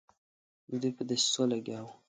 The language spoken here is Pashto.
دوی په دسیسو لګیا وه.